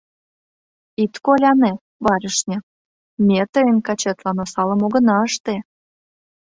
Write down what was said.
Ит коляне, барышня, ме тыйын качетлан осалым огына ыште...